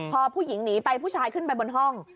พอผู้หญิงหนีไปผู้ชายขึ้นไปบนห้อง